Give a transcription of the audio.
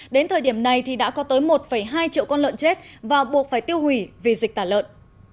đến thời điểm này thì đã có tới một hai triệu con lợn chết và buộc phải tiêu hủy vì dịch tả lợn